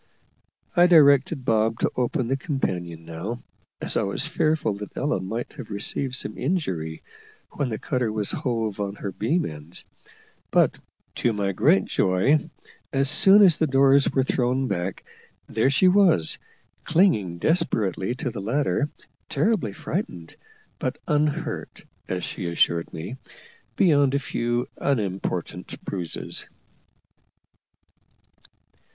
I directed Bob to open the companion now, as I was fearful that Ella might have received some injury when the cutter was hove on her beam ends; but, to my great joy, as soon as the doors were thrown back, there she was, clinging desperately to the ladder, terribly frightened, but unhurt, as she assured me, beyond a few unimportant bruises.